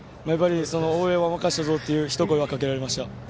応援は任せたぞ！という一声はかけられました。